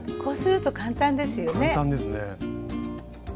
こうすると簡単ですよね。